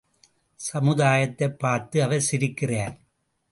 சமுதாயத்தைப் பார்த்து அவர் சிரிக்கிறார்.